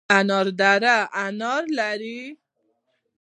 انار دره انار لري؟